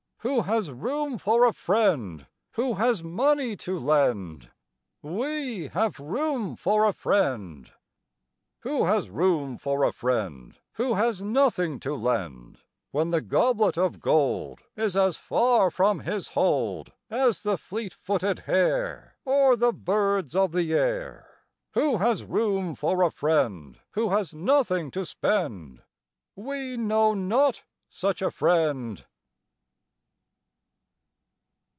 Who has room for a friend Who has money to lend? We have room for a friend! Who has room for a friend Who has nothing to lend, When the goblet of gold Is as far from his hold As the fleet footed hare, Or the birds of the air. Who has room for a friend Who has nothing to spend? We know not such a friend.